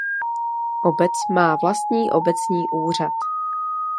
Obec má vlastní obecní úřad.